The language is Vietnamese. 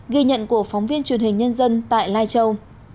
ghi nhận của phóng viên truyền hình nhân dân tại lai châu